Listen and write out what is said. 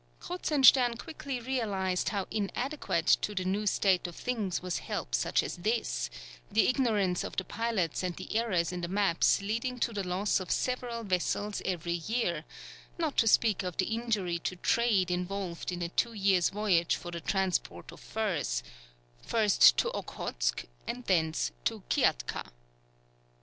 Kruzenstern quickly realized how inadequate to the new state of things was help such as this, the ignorance of the pilots and the errors in the maps leading to the loss of several vessels every year, not to speak of the injury to trade involved in a two years' voyage for the transport of furs, first to Okhotsk, and thence to Kiakhta.